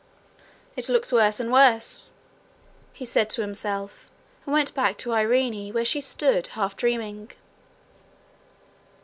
'It looks worse and worse!'he said to himself, and went back to Irene, where she stood half dreaming.